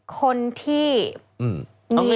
คนที่มีอะไร